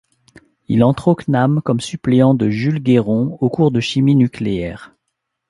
Il entre au Cnam comme suppléant de Jules Guéron au cours de Chimie nucléaire.